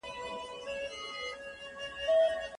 دوکاندار سم قيمت نه وايي.